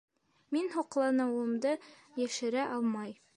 Мин һоҡланыуымды йәшерә алмай: